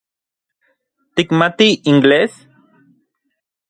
¿Tikmati inglés?